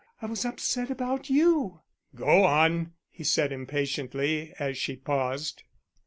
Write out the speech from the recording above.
I was upset about you." "Go on," he said impatiently, as she paused.